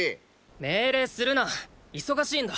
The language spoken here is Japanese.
命令するな忙しいんだ。